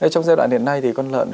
trong giai đoạn hiện nay thì con lợn